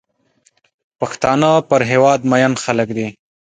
پښتانه پر هېواد مین خلک دي.